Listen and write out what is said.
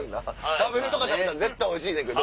食べる人が食べたら絶対おいしいねんけど。